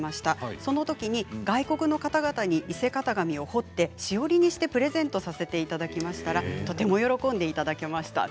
そのときに外国の方々に伊勢型紙を彫って、しおりにしてプレゼントさせていただきましたが、とても喜んでいただけました。